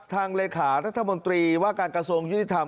เลขารัฐมนตรีว่าการกระทรวงยุติธรรม